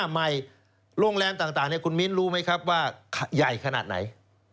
ในโรงแรมต่างนี้คุณมิ๊นทร์รู้ไหมครับว่าใหญ่ขนาดไหน